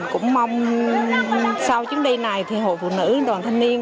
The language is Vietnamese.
cũng mong sau chuyến đi này thì hội phụ nữ đoàn thanh niên